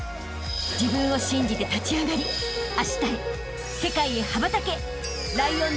［自分を信じて立ちあがりあしたへ世界へ羽ばたけ！］